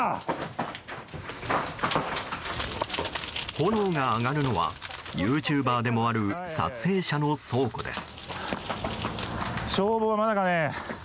炎が上がるのはユーチューバーでもある撮影者の倉庫です。